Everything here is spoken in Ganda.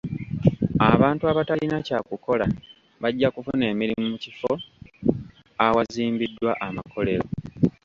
Abantu abatalina kya kukola bajja kufuna emirimu mu kifo awazimbiddwa amakolero.